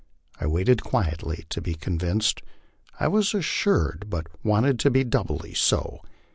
I waited quietly to be convinced ; I was assured, but wanted to be doubly so.